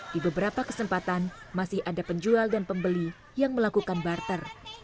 di beberapa kesempatan masih ada penjual dan pembeli yang melakukan barter